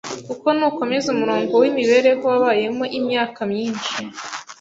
Kuko nukomeza umurongo w’imibereho wabayemo imyaka myinshi,